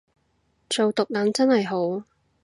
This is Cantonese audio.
做毒撚真係好